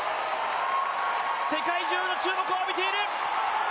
世界中の注目を浴びている！